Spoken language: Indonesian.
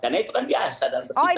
karena itu kan biasa dalam persintahan